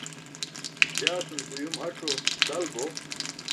Jaa cum ke uyum ac̣o dal bo.